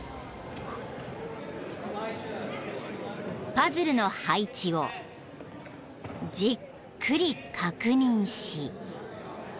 ［パズルの配置をじっくり確認し］